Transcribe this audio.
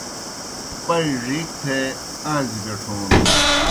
پائیں ڙِیک تھے آݩزی بیٹھون